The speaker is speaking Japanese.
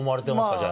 じゃあ。